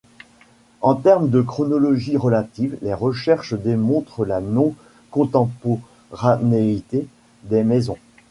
En termes de chronologie relative, les recherches démontrent la non-contemporanéité des maisons.